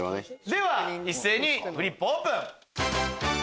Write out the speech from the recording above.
では一斉にフリップオープン。